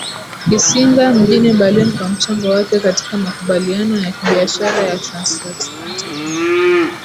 Kissinger mjini Berlin kwa mchango wake katika makubaliano ya kibiashara ya transAtlantic Mwaka